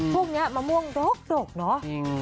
พวกนี้มะม่วงดรกเนอะ